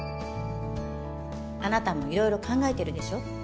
あなたも色々考えてるでしょ？